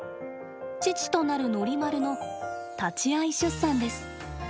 父となるノリマルの立ち会い出産です。